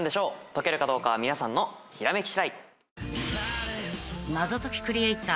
「解けるかどうかは皆さんのひらめき次第」